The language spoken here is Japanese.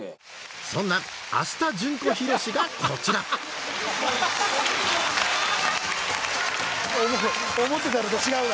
そんなあした順子・ひろしがこちら思ってたのと違うな。